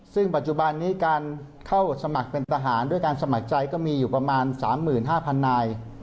ซึ่งปัจจุบันนี้การเข้าสมัครเป็นทหารด้วยการสมัครใจก็มีอยู่ประมาณ๓๕๐๐นาย